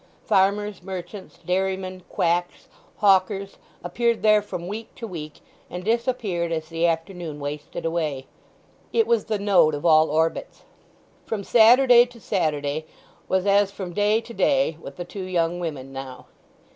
Farmers, merchants, dairymen, quacks, hawkers, appeared there from week to week, and disappeared as the afternoon wasted away. It was the node of all orbits. From Saturday to Saturday was as from day to day with the two young women now.